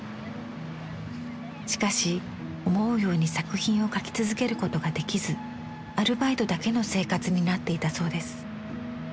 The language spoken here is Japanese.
しかし思うように作品を描き続けることができずアルバイトだけの生活になっていたそうです。